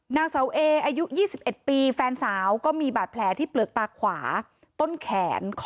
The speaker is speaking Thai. นางเสาเออายุยี่สิบเอ็ดปีแฟนสาวก็มีบาดแผลที่เปลือกตาขวา